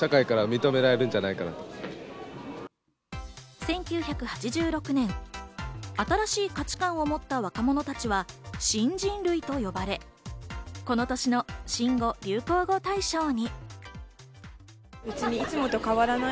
１９８６年、新しい価値観を持った若者たちは新人類と呼ばれ、この年の新語・流行語大賞に。